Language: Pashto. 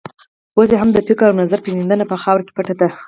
اوس یې هم د فکر او نظر پېژندنه په خاورو کې پټه ده.